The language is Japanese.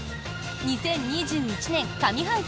２０２１年上半期